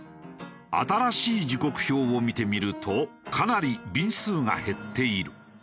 新しい時刻表を見てみるとかなり便数が減っている。